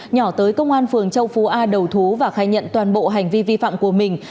nhỏ tới công an phường châu phú a đầu thú và khai nhận toàn bộ hành vi vi phạm của mình